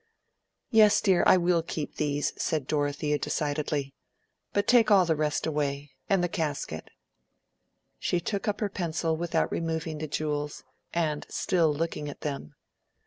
"Yes, dear, I will keep these," said Dorothea, decidedly. "But take all the rest away, and the casket." She took up her pencil without removing the jewels, and still looking at them.